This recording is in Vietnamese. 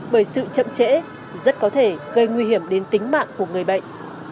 bởi sự chậm trễ rất có thể gây nguy hiểm đến tính mạng của người bệnh